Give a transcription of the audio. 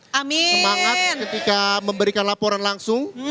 semangat ketika memberikan laporan langsung